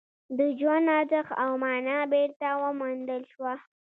د ژوند ارزښت او مانا بېرته وموندل شوه